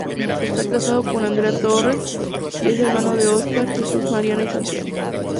Está casado con Andrea Torre y es hermano de Óscar, Jesús, Mariana y Santiago.